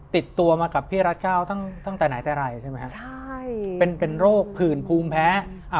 ติดตัวมากับพี่รัฐเก้าตั้งแต่ไหนแต่ไรใช่ไหมฮะใช่เป็นเป็นโรคผื่นภูมิแพ้